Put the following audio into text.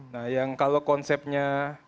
nah yang kalau konsepnya